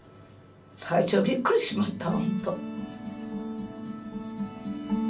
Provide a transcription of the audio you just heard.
最初びっくりしましたわほんと。